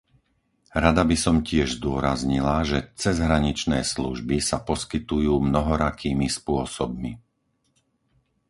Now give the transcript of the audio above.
Rada by som tiež zdôraznila, že cezhraničné služby sa poskytujú mnohorakými spôsobmi.